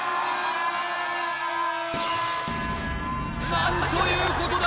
何ということだ